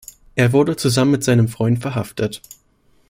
Er wurde zusammen mit seinem Freund verhaftet.